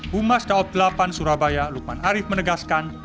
bumas daot delapan surabaya lukman arief menegaskan